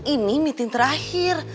ini meeting terakhir